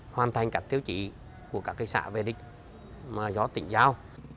hoàn thành các tiếu trị của các xã về địch do tỉnh giao